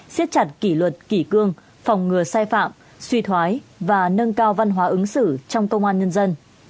xiết chặt kỷ luật kỷ cương phòng ngừa sai phạm suy thoái và nâng cao văn hóa ứng xử trong công an nhân dân